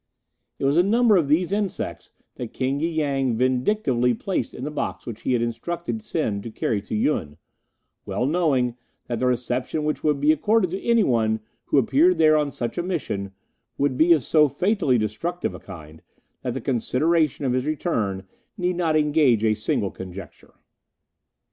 It was a number of these insects that King y Yang vindictively placed in the box which he instructed Sen to carry to Yun, well knowing that the reception which would be accorded to anyone who appeared there on such a mission would be of so fatally destructive a kind that the consideration of his return need not engage a single conjecture.